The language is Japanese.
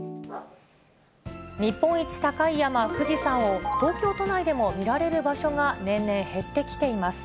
日本一高い山、富士山を、東京都内でも見られる場所が年々減ってきています。